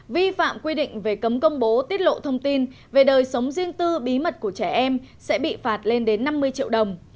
vi phạm quy định về cấm công bố tiết lộ thông tin về đời sống riêng tư bí mật của trẻ em sẽ bị phạt lên đến năm mươi triệu đồng